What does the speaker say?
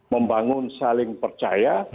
membangun saling percaya